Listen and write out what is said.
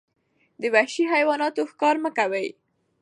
د وحشي حیواناتو ښکار مه کوئ.